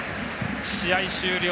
試合終了。